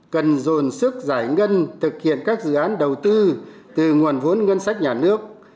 cần dồn sức giải ngân thực hiện các dự án đầu tư từ nguồn vốn ngân sách nhà nước